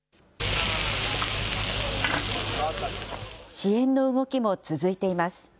支援の動きも続いています。